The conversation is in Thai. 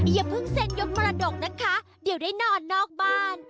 อย่าเพิ่งเซ็นยกมรดกนะคะเดี๋ยวได้นอนนอกบ้าน